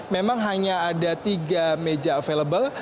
memang hanya ada tiga meja available